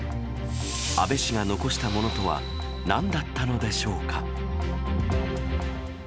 安倍氏が残したものとはなんだったのでしょうか。